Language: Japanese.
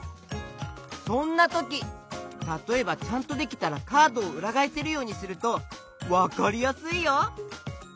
そんなときたとえばちゃんとできたらカードをうらがえせるようにするとわかりやすいよ！